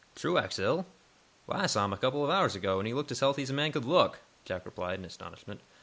"Truax ill? Why, I saw him a couple of hours ago, and he looked as healthy as a man could look," Jack replied, in astonishment.